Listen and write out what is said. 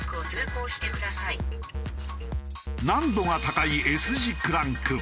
難度が高いＳ字クランク。